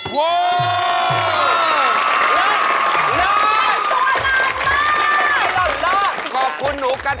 โชว์ที่สุดท้าย